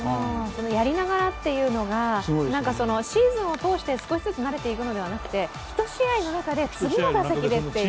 やりながらっていうのがシーズンを通して少しずつ慣れていくんじゃなくて１試合の中で次の打席でっていう。